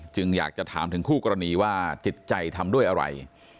อยากจะถามถึงคู่กรณีว่าจิตใจทำด้วยอะไร